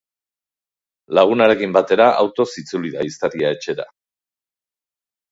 Lagunarekin batera, autoz itzuli da ehiztaria etxera.